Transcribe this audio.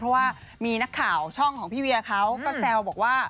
เพราะว่ามีนักข่าวช่องของพี่เวียเขาก็แซวบอกว่า